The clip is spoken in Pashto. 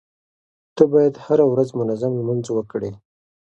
ته بايد هره ورځ منظم لمونځ وکړې.